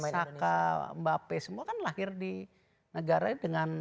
karena seperti saka mbak pei semua kan lahir di negara dengan